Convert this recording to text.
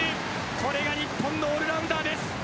これが日本のオールラウンダーです。